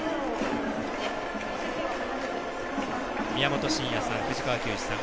宮本慎也さん、藤川球児さん